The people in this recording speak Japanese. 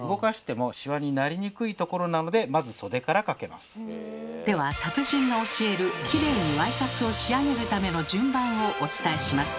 まずでは達人が教えるキレイにワイシャツを仕上げるための順番をお伝えします。